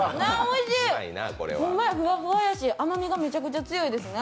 ホンマやふわふわやし甘みがめちゃくちゃ強いですね。